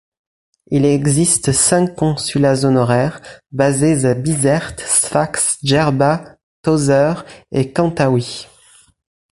Il existe cinq consulats honoraires basés à Bizerte, Sfax, Djerba, Tozeur et Kantaoui.